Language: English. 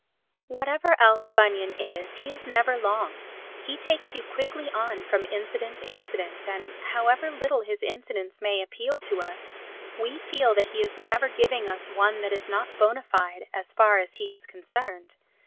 Whatever else Bunyan is he is never long; he takes you quickly on from incident to incident and, however little his incidents may appeal to us, we feel that he is never giving us one that is not bona fide so far as he is concerned.